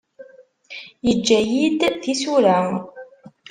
Yeǧǧa-iyi-d tisura.